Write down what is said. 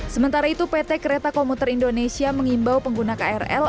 sementara itu pt kereta komuter indonesia mengimbau pengguna krl